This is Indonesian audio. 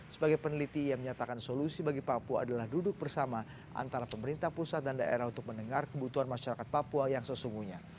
sebagai peneliti ia menyatakan solusi bagi papua adalah duduk bersama antara pemerintah pusat dan daerah untuk mendengar kebutuhan masyarakat papua yang sesungguhnya